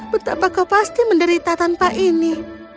betapa kau pasti menderita tanpa ini